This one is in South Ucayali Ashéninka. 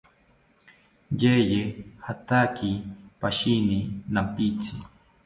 Yeye jataki pashini nampitzi